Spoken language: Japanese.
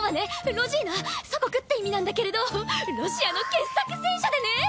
ロジーナ「祖国」って意味なんだけれどロシアの傑作戦車でね！